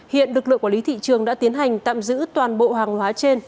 hiện lực lượng quản lý thị trường đã tiến hành tạm giữ toàn bộ hàng hóa trên